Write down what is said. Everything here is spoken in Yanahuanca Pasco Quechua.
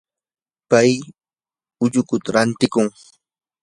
pay ullukuta rantiykun.